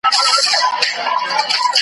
« څوک د درست جهان پاچا ظاهر ګدا وي» .